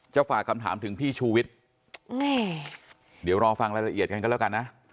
ฝากคำถามถึงพี่ชูวิทย์เดี๋ยวรอฟังรายละเอียดกันก็แล้วกันนะ